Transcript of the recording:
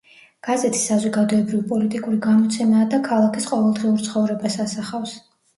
გაზეთი საზოგადოებრივ-პოლიტიკური გამოცემაა და ქალაქის ყოველდღიურ ცხოვრებას ასახავს.